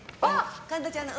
神田ちゃんの。